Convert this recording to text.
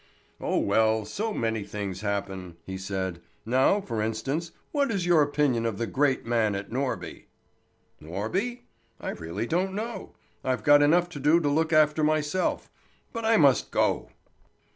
"Oh well, so many things happen," he said. "Now for instance, what is your opinion of the great man at Norby?" "Norby? I really don't know. I've got enough to do to look after myself. But I must go."